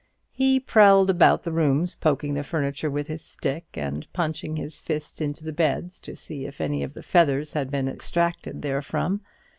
He prowled about the rooms, poking the furniture with his stick, and punching his fist into the beds to see if any of the feathers had been extracted therefrom.